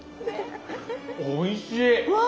おいしい！